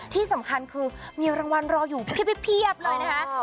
ที่สำคัญคือมีรางวัลรออยู่เพียบเลยนะคะ